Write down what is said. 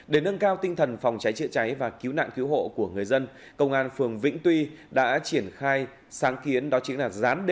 để nâng cao tinh thần phòng cháy chữa cháy và cứu nạn cứu hộ của người dân công an phường vĩnh tuy đã triển khai sáng kiến đó chính là